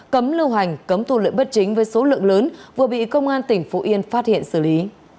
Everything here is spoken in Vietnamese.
cấm lưu hành cấm thu lợi bất chính với số lượng lớn vừa bị công an tỉnh phú yên phát hiện xử lý